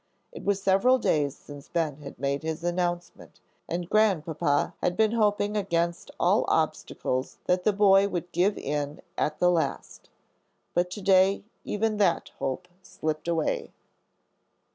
It was several days since Ben had made his announcement, and Grandpapa had been hoping against all obstacles that the boy would give in at the last. But to day even that hope slipped away.